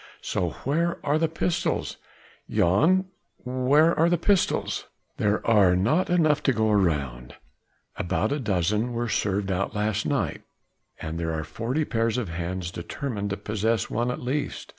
so where are the pistols?... Jan, where are those pistols?" There are not enough to go round: about a dozen were served out last night, and there are forty pairs of hands determined to possess one at least.